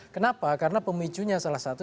kenapa karena pemicunya salah satu